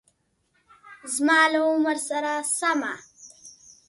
زما له عمر سره سمه